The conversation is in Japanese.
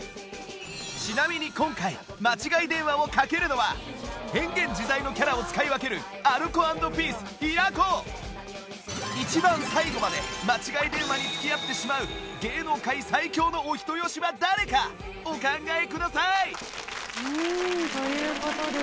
ちなみに今回間違い電話をかけるのは変幻自在のキャラを使い分ける一番最後まで間違い電話に付き合ってしまう芸能界最強のお人好しは誰かお考えください！という事です。